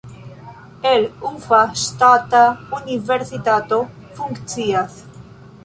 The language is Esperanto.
En Ufa ŝtata universitato funkcias.